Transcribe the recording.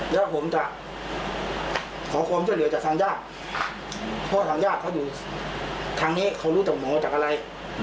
แล้วผมจะขอความช่วยเหลือจากทางญาติเพราะทางญาติเขาอยู่ทางนี้เขารู้จากหมอจากอะไร